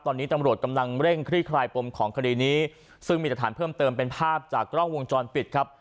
ตอนนี้ตำรวจกำลังเร่งคลี่คลายปมของคดีนี้ซึ่งมีตรฐานเพิ่มเติมเป็นภาพจากกล้องวงจรปิดครับ